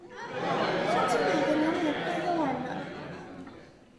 上次買的牛奶快喝完了